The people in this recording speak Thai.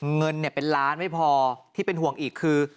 เงินเป็นล้านไม่พอที่เป็นห่วงอีกคือ